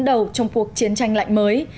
đầu trong cuộc chiến tranh lạnh mới